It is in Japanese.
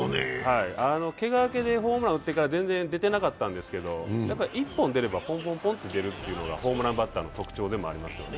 けが明けでホームラン打ってから全然出てなかったんですが１本出れば、ポンポンポンと出るというのがホームランバッターの特徴でもありますね。